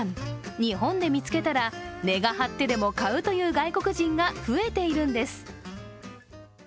日本で見つけたら値が張ってでも買うという外国人が増えているんです。